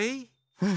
うん。